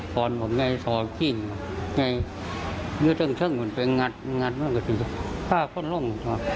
ห้อนบอกไงทอดขี้ไงมันไปงัดงัดมันกระทิภาพข้นลง